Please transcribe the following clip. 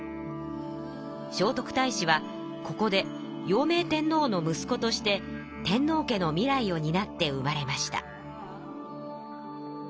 聖徳太子はここで用明天皇の息子として天皇家の未来をになって生まれました。